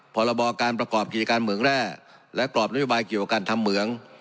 พรบการประกอบกิจการเหมืองแร่และกรอบนโยบายเกี่ยวกับการทำเหมือง